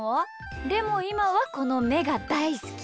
でもいまはこのめがだいすき！